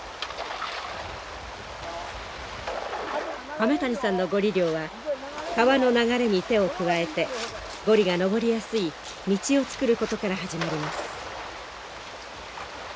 亀谷さんのゴリ漁は川の流れに手を加えてゴリが上りやすい道を作ることから始まります。